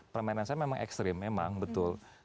permainan saya memang ekstrim memang betul